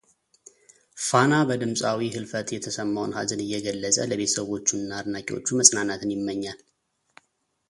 ፋና በድምፃዊው ህልፈት የተሰማውን ሀዘን እየገለፀ ለቤተሰቦቹ እና አድናቂዎቹ መፅናናትን ይመኛል።